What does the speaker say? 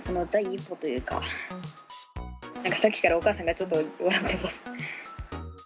なんかさっきからお母さんがちょっと笑ってます。